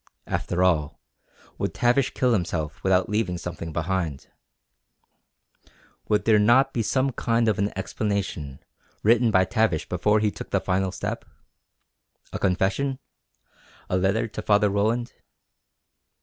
After all, would Tavish kill himself without leaving something behind? Would there not be some kind of an explanation, written by Tavish before he took the final step? A confession? A letter to Father Roland?